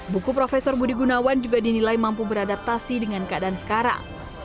buku profesor budi gunawan juga dinilai mampu beradaptasi dengan keadaan sekarang